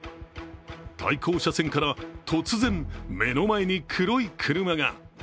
対向車線から突然、目の前に黒い車が。